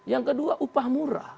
yang kedua upah murah